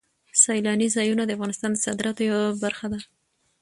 سیلاني ځایونه د افغانستان د صادراتو یوه برخه ده.